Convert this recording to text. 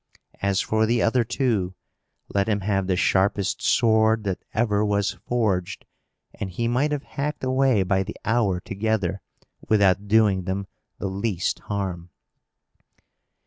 As for the other two, let him have the sharpest sword that ever was forged, and he might have hacked away by the hour together, without doing them the least harm.